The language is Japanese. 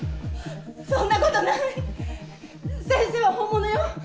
そんなことない先生は本物よ。